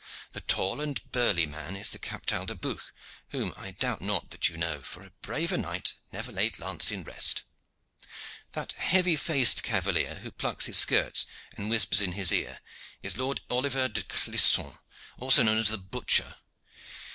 The tall and burly man is the Captal de Buch, whom I doubt not that you know, for a braver knight never laid lance in rest. That heavy faced cavalier who plucks his skirts and whispers in his ear is Lord Oliver de Clisson, known also as the butcher.